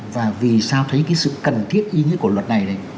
và vì sao thấy cái sự cần thiết ý nghĩa của luật này